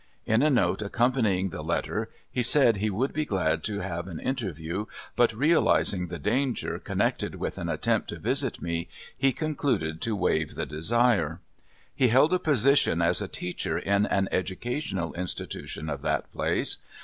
In a note accompanying the letter, he said he would be glad to have an interview, but realizing the danger connected with an attempt to visit me, he concluded to waive the desire. He held a position as a teacher in an educational institution of that place.